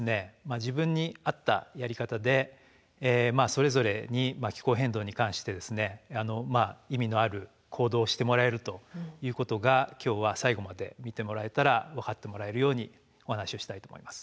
自分に合ったやり方でそれぞれに気候変動に関して意味のある行動をしてもらえるということが今日は最後まで見てもらえたら分かってもらえるようにお話をしたいと思います。